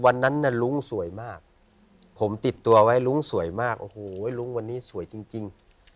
วันนั้นน่ะลุงสวยมากผมติดตัวไว้ลุงสวยมากโอ้โหลุงวันนี้สวยจริง